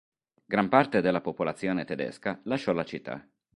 Gran parte della popolazione tedesca lasciò la città.